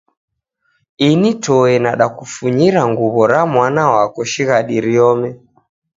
Ini toe nadakufunyira nguw'o ra mwana wako shighadi riome.